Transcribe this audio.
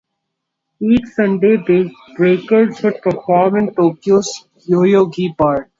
Each Sunday breakers would perform in Tokyo's Yoyogi Park.